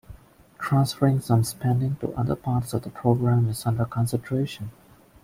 Transferring some spending to other parts of the program is under consideration.